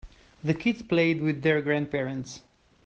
The kids played with their grandparents.